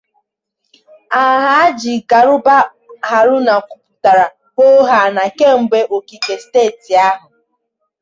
Alhaji Garuba Haruna kwupụtara hoohaa na kemgbe okike steeti ahụ